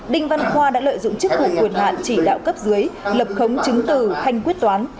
đinh văn khoa đã lợi dụng chức vụ quyền hạn chỉ đạo cấp dưới lập khống chứng từ thanh quyết toán